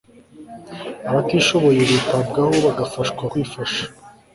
abatishoboye bitabwaho bagafashwa kwifasha